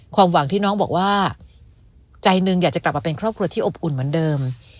ความหวังที่น้องบอกว่าใจหนึ่งอยากจะกลับมาเป็นครอบครัวที่อบอุ่นเหมือนเดิม